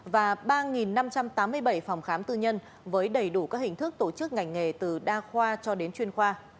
và ba năm trăm tám mươi bảy phòng khám tư nhân với đầy đủ các hình thức tổ chức ngành nghề từ đa khoa cho đến chuyên khoa